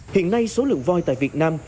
hiện nay số lượng voi tại việt nam